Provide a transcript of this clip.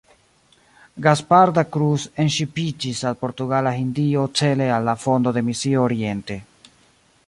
Gaspar da Cruz enŝipiĝis al Portugala Hindio cele al la fondo de misio Oriente.